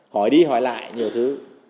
hỏi đi hỏi lại nhiều thứ